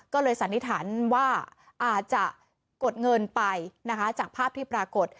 ก็เลยสันนิษฐานว่าอาจจะกดเงินไปนะคะจากภาพที่ปรากฏ